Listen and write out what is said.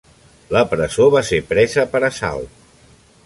La presó va ser presa per assalt.